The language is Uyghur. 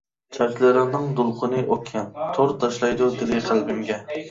چاچلىرىڭنىڭ دولقۇنى ئوكيان، تور تاشلايدۇ تىلى قەلبىمگە.